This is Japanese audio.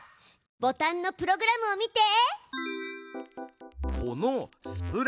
ボタンのプログラムを見て。